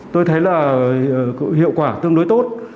tôi thấy là hiệu quả tương đối tốt